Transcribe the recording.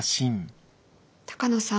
鷹野さん。